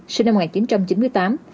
sinh năm một nghìn chín trăm chín mươi tám